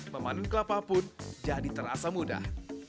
memanen kelapa pun jadi terasa mudah